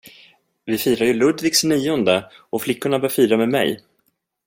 Vi firar ju Ludvigs nionde och flickorna bör fira med mig.